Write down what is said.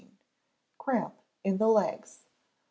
Cramp in the Legs.